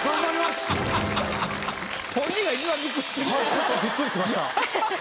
ちょっとビックリしました。